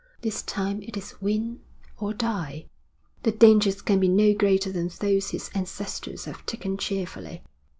This time it is win or die.' 'The dangers can be no greater than those his ancestors have taken cheerfully.'